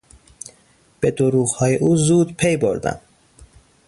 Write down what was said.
به دروغهای او زود پی بردم.